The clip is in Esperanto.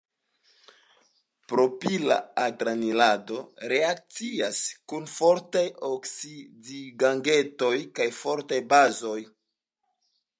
Propila antranilato reakcias kun fortaj oksidigagentoj kaj fortaj bazoj.